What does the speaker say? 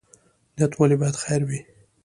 نیت ولې باید خیر وي؟